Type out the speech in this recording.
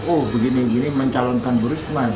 oh begini gini mencalonkan burisma di jakarta